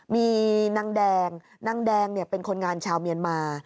มีนางแดงนางแดงเป็นคนงานชาวเมียนมา